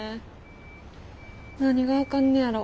何があかんねやろ。